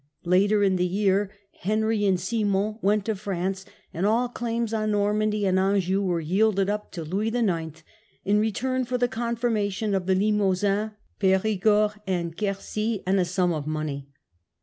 Later in the year Henry and Simon went to France, and all claims on Normandy and Anjou were yielded up to Louis IX. in return for confirmation of the Limousin, Perigord, and Querci, and a sum of money.